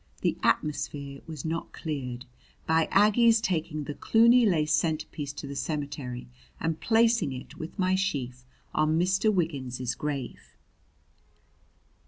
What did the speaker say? The atmosphere was not cleared by Aggie's taking the Cluny lace centerpiece to the cemetery and placing it, with my sheaf, on Mr. Wiggins's grave.